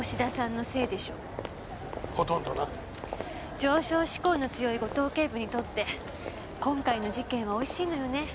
上昇思考の強い五島警部にとって今回の事件はおいしいのよね。